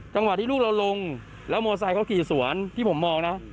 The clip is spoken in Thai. จังหวะที่ลูกเราลงแล้วมอไซค์ขี่สวนที่ผมมองนะ